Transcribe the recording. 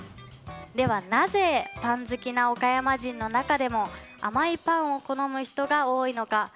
では、なぜパン好きな岡山人の中でも甘いパンを好む人が多いのか。